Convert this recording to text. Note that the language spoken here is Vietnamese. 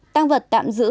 tăng vật tạm giữ